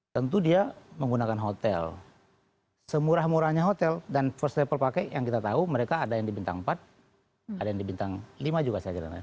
tentu dia menggunakan hotel semurah murahnya hotel dan first travel pakai yang kita tahu mereka ada yang di bintang empat ada yang di bintang lima juga saya kira